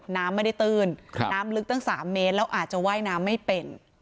น้ำไม่ได้ตื้นน้ำลึกตั้ง๓เมตรแล้วอาจจะว่ายน้ำไม่เป็น